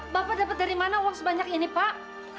bapak dapat dari mana uang sebanyak ini pak